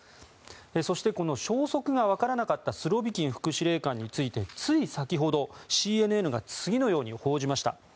そして、この消息がわからなかったスロビキン副司令官についてつい先ほど、ＣＮＮが次のように報じました。